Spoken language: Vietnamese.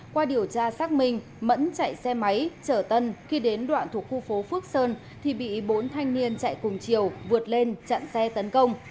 qua điều tra xác minh mẫn chạy xe máy chở tân khi đến đoạn thuộc khu phố phước sơn thì bị bốn thanh niên chạy cùng chiều vượt lên chặn xe tấn công